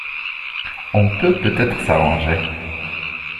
On peut peut-être s’arranger...